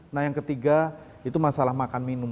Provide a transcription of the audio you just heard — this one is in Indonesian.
nah yang ketiga itu masalah makan minum